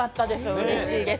うれしいです。